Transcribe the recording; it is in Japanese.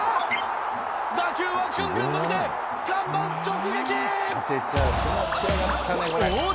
打球はグングン伸びて看板直撃！